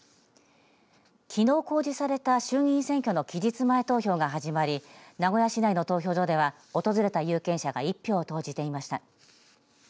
きのう公示された衆議院選挙の期日前投票が始まり名古屋市内の投票所では訪れた有権者が一票を投じていました。